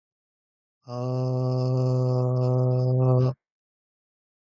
あああああああああああああああああああ